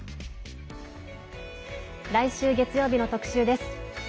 来週月曜日の特集です。